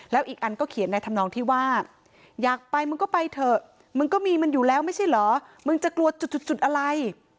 แล้วอีกอันก็เขียนในธรรมนองที่ว่าอยากไปมึงก็ไปเถอะมึงก็มีมันอยู่แล้วไม่ใช่เหรอมึงจะกลัวจุดอะไร